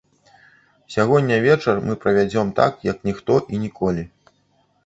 Сягоння вечар мы правядзём так, як ніхто і ніколі.